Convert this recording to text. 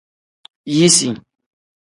Yisi.